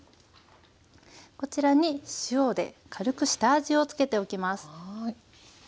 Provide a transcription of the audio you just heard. こちらに塩で軽く下味を付けておきます。